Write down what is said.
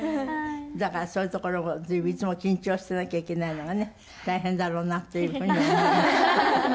だからそういうところが随分いつも緊張してなきゃいけないのがね大変だろうなっていう風に思いました。